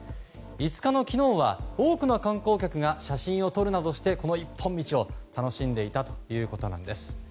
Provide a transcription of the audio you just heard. ５日の昨日は多くの観光客が写真を撮るなどしてこの一本道を楽しんでいたということです。